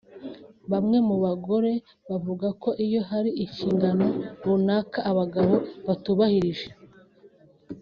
Bamwe mu bagore bavuga ko iyo hari inshingano runaka abagabo batubahirije